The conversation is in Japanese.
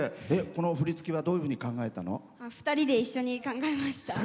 この振り付けはどういうふうに２人で一緒に考えました。